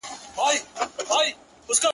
• هغه خو دا خبري پټي ساتي ـ